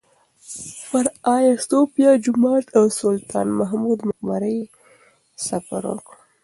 پر ایا صوفیه جومات او سلطان محمود مقبره یې سفر وکړ.